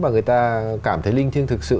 và người ta cảm thấy linh thiêng thực sự